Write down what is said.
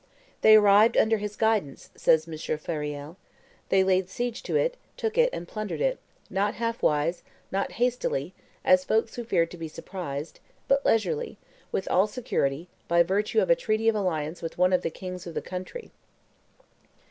"They arrived under his guidance," says M. Fauriel, "they laid siege to it, took it and plundered it, not halfwise, not hastily, as folks who feared to be surprised, but leisurely, with all security, by virtue of a treaty of alliance with one of the kings of the country."